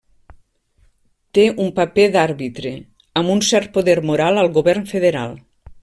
Té un paper d'àrbitre amb un cert poder moral al govern federal.